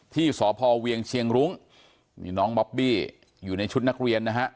ที่สพเวียงเชียงรุ้งนี่น้องบอบบี้อยู่ในชุดนักเรียนนะฮะ